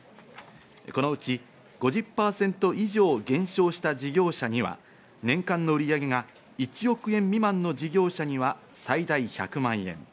このうち５０％以上減少した事業者には年間の売り上げが１億円未満の事業者には最大１００万円。